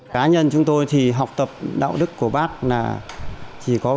cá nhân chúng tôi thì học tập đạo đức của bác là chỉ có vào học tập